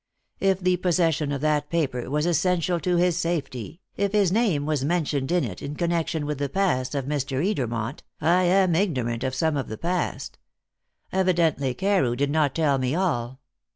If the possession of that paper was essential to his safety, if his name was mentioned in it in connection with the past of Mr. Edermont, I am ignorant of some of the past. Evidently Carew did not tell me all."